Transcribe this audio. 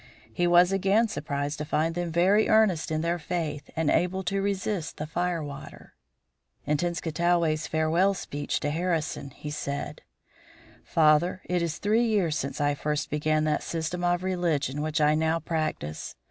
He was again surprised to find them very earnest in their faith and able to resist the fire water. In Tenskwatawa's farewell speech to Harrison, he said: "Father: It is three years since I first began that system of religion which I now practice.